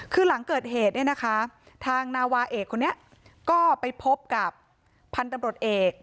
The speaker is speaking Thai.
คือหลังเกิดเหตุเนี่ยนะคะทางนาวาเอกคนนี้ก็ไปพบกับพันธุ์ตำรวจเอก